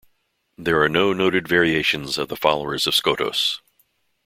There are no noted variations of the followers of Skotos.